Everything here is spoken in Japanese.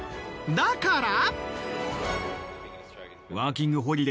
だから。